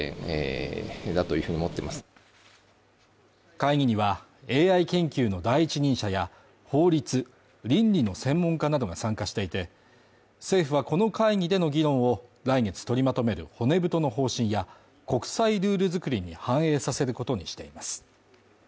会議にはＡＩ研究の第一人者や法律、倫理の専門家などが参加していて、政府はこの会議での議論を、来月取りまとめる骨太の方針や国際ルール作りに反映させることにしています。